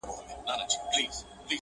خزان یې مه کړې الهي تازه ګلونه٫